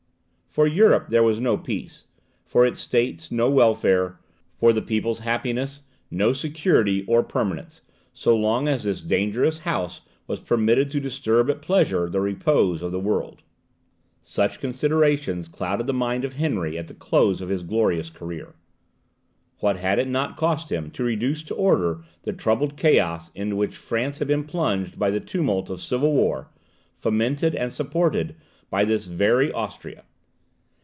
For Europe there was no peace, for its states no welfare, for the people's happiness no security or permanence, so long as this dangerous house was permitted to disturb at pleasure the repose of the world. Such considerations clouded the mind of Henry at the close of his glorious career. What had it not cost him to reduce to order the troubled chaos into which France had been plunged by the tumult of civil war, fomented and supported by this very Austria!